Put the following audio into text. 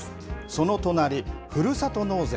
その隣、ふるさと納税。